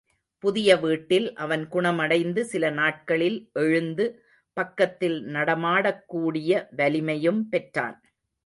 புதிய வீட்டில் அவன் குணமடைந்து சிலநாட்களில் எழுந்து பக்கத்தில் நடமாடக்கூடிய வலிமையும் பெற்றான்.